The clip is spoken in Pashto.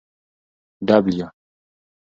W